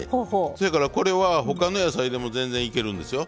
そやからこれは他の野菜でも全然いけるんですよ。